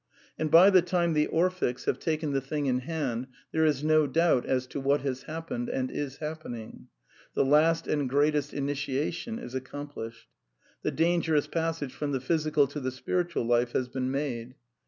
And by the time the Orphics have taken the thing in hand there is no doubt as to what has happened and is happening. The last and greatest initiation is ac complished. The dangerous passage from the physical to the spiritual life has been made.